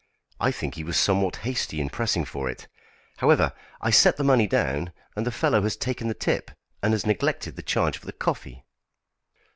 I think he was somewhat hasty in pressing for it; however, I set the money down, and the fellow has taken the tip, and has neglected the charge for the coffee."